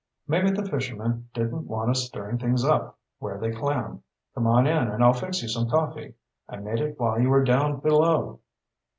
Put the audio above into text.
"Maybe the fishermen didn't want us stirring things up where they clam. Come on in and I'll fix you some coffee. I made it while you were down below."